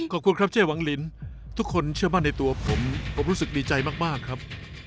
ขอบคุณครับเจ๊หวังลินทุกคนเชื่อมั่นในตัวผมผมรู้สึกดีใจมากครับ